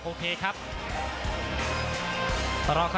รอคะแนนจากอาจารย์สมาร์ทจันทร์คล้อยสักครู่หนึ่งนะครับ